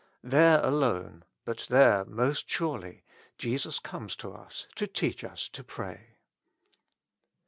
There alone, but there most surely, Jesus comes to us to teach us to pray.